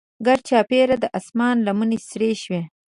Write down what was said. ګرچاپیره د اسمان لمنې سرې شوې.